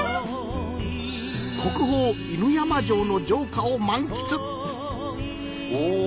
国宝犬山城の城下を満喫お。